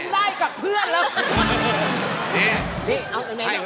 คงได้กับเพื่อนแล้ว